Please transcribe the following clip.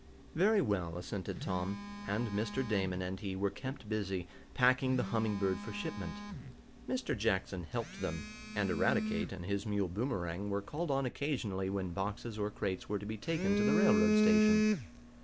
"Very well," assented Tom, and Mr. Damon and he were kept busy, packing the Humming Bird for shipment. Mr. Jackson helped them, and Eradicate and his mule Boomerang were called on occasionally when boxes or crates were to be taken to the railroad station.